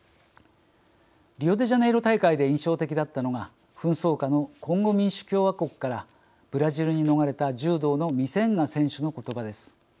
リオデジャネイロ大会で印象的だったのが紛争下のコンゴ民主共和国からブラジルに逃れた柔道のミセンガ選手のことばです。